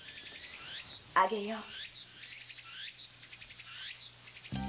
あげよう。